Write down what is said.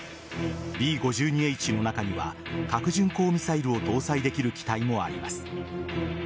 Ｂ‐５２Ｈの中には核巡航ミサイルを搭載できる機体もあります。